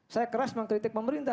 saya keras mengkritik pemerintah